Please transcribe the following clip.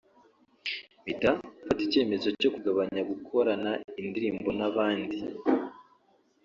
mpita mfata icyemezo cyo kugabanya gukorana indirimbo n’abandi